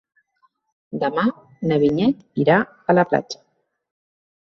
Demà na Vinyet irà a la platja.